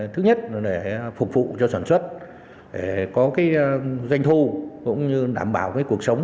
thứ nhất là để phục vụ cho sản xuất để có doanh thu cũng như đảm bảo cuộc sống